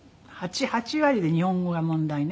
８割で日本語が問題ね。